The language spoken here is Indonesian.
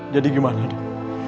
jadi gimana dok